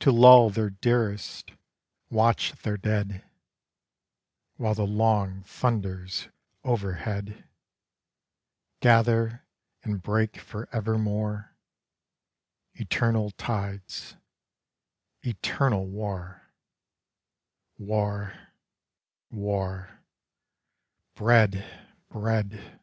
To lull their dearest: watch their dead; While the long thunders overhead, Gather and break for evermore, Eternal tides eternal War, War war Bread bread!